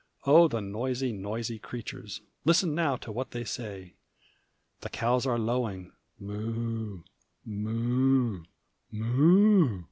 Oh! the noisy, noisy creatures, Listen now to what they say. The cows are lowing "Moo, moo, moo!"